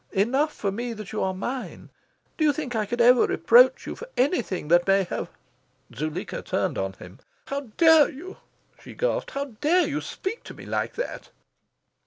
Enough for me, that you are mine. Do you think I should ever reproach you for anything that may have " Zuleika turned on him. "How dare you?" she gasped. "How dare you speak to me like that?"